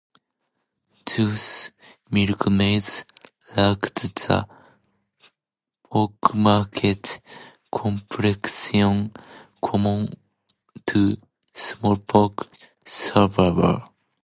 Thus, milkmaids lacked the "pockmarked" complexion common to smallpox survivors.